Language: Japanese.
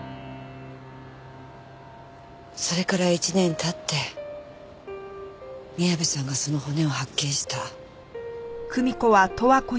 それから１年経って宮部さんがその骨を発見した。